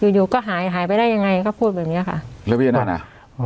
อยู่อยู่ก็หายหายไปได้ยังไงก็พูดแบบเนี้ยค่ะแล้วเวียนั่นอ่ะ